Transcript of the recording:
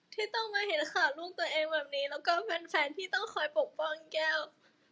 ที่ต้องมาเห็นข่าวลูกตัวเองแบบนี้แล้วก็แฟนที่ต้องคอยปกป้องแก้ว